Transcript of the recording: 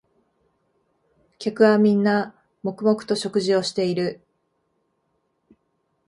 客はみんな黙々と食事をしている